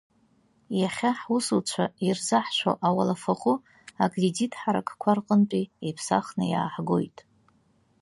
Иахьа ҳусуцәа ирзаҳшәо ауалафахәы акредит ҳаракқәа рҟынтә иԥсахны иааҳгоит.